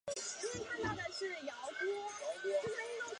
韦洛斯内。